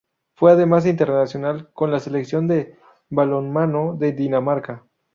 Fue además internacional con la Selección de balonmano de Dinamarca.